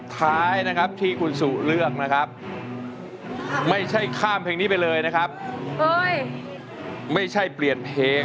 ท้ายที่คุณสูตรเลือกไม่ใช่ข้ามเพลงนี้ไปเลยไม่ใช่เปลี่ยนเพลง